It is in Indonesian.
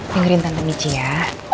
dengerin tante mici ya